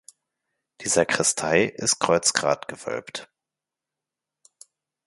Die Sakristei ist kreuzgratgewölbt.